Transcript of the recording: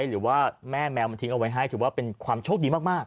หรือว่าแม่แมวมันทิ้งเอาไว้ให้ถือว่าเป็นความโชคดีมาก